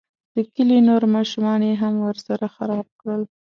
د کلي نور ماشومان یې هم ورسره خراب کړل.